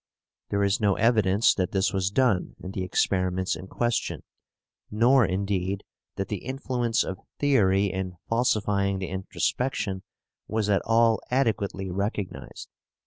There is no evidence that this was done in the experiments in question, nor indeed that the influence of theory in falsifying the introspection was at all adequately recognized.